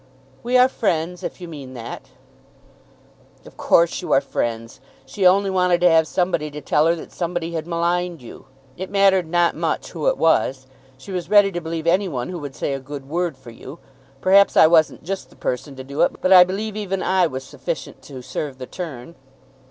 "We are friends, if you mean that." "Of course you are friends. She only wanted to have somebody to tell her that somebody had maligned you. It mattered not much who it was. She was ready to believe any one who would say a good word for you. Perhaps I wasn't just the person to do it, but I believe even I was sufficient to serve the turn."